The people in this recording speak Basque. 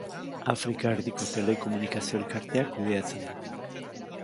Afrika Erdiko Telekomunikazio Elkarteak kudeatzen du.